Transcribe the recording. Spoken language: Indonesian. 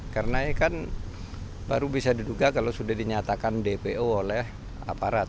karena kan baru bisa diduga kalau sudah dinyatakan dpo oleh aparat